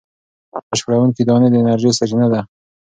بشپړوونکې دانې د انرژۍ سرچینه دي.